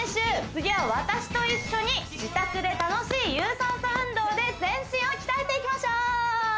次は私と一緒に自宅で楽しい有酸素運動で全身を鍛えていきましょう